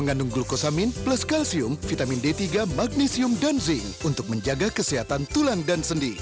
mengandung glukosamin plus kalsium vitamin d tiga magnesium dan zinc untuk menjaga kesehatan tulang dan sendi